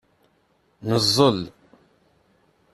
Neẓẓel.